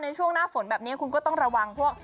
ในช่วงหน้าฝนแบบนี้คุณก็ต้องระวังพวก